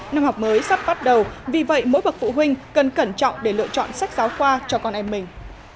năm học mới sắp bắt đầu vì vậy mỗi bậc phụ huynh cần cẩn trọng để lựa chọn sách giáo khoa cho con em mình